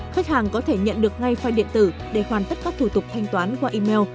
khách hàng có thể nhận được ngay file điện tử để hoàn tất các thủ tục thanh toán qua email